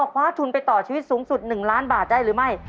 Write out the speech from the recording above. คว้าทุนไปต่อชีวิตสูงสุด๑ล้านบาทได้หรือไม่